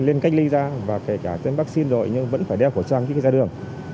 lên cách ly ra và kể cả tên vaccine rồi nhưng vẫn phải đeo khẩu trang khi ra đường